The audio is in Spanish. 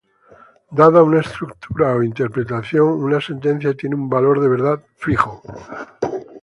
Dada una estructura o interpretación, una sentencia tiene un valor de verdad fijo.